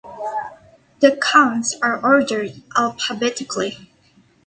The accounts are ordered alphabetically.